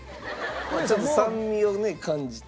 ちょっと酸味をね感じて。